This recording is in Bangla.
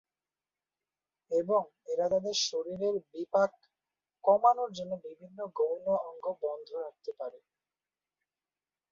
এবং এরা তাদের শরীরের বিপাক কমানোর জন্য বিভিন্ন গৌণ অঙ্গ বন্ধ রাখতে পারে।